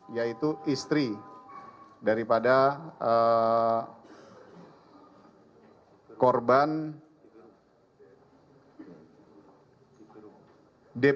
yaitu istri daripada korban